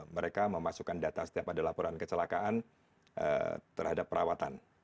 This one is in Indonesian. mereka memasukkan data setiap ada laporan kecelakaan terhadap perawatan